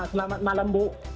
selamat malam bu